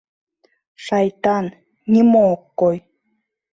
Шайтан, нимо ок кой.